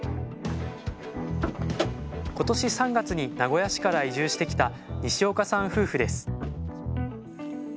今年３月に名古屋市から移住してきた西岡さん夫婦です